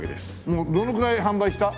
もうどのくらい販売した？